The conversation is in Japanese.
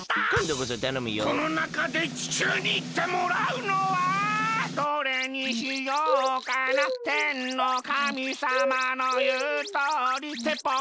このなかで地球にいってもらうのはどれにしようかなてんのかみさまのいうとおりてっぽう